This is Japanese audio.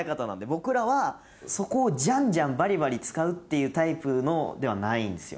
僕らはそこをジャンジャンバリバリ使うっていうタイプではないんですよ。